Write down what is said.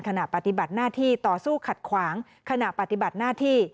ขณะปฏิบัติหน้าที่ต่อสู้ขัดขวางขณะปฏิบัติหน้าที่